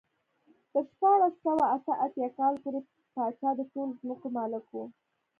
تر شپاړس سوه اته اتیا کال پورې پاچا د ټولو ځمکو مالک و.